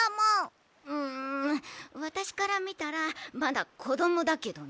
んわたしからみたらまだこどもだけどね。